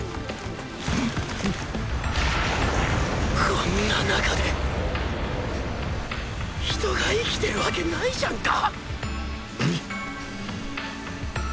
こんな中で人が生きてるわけないじゃんか！